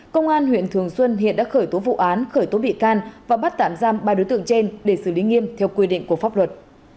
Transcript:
công an huyện thường xuân hiện đã khởi tố vụ án khởi tố bị can và bắt tạm giam ba đối tượng trên để xử lý nghiêm theo quy định của pháp luật